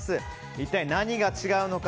一体何が違うのか。